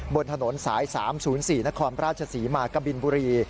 บนถนนสาย๓๐๔นประชะศริมาปรากบิลบุรี